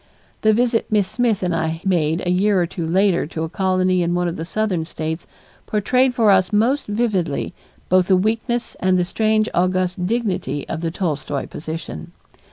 The visit Miss Smith and I made a year or two later to a colony in one of the southern States portrayed for us most vividly both the weakness and the strange august dignity of the Tolstoy position.